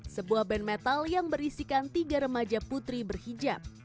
sebuah band metal yang berisikan tiga remaja putri berhijab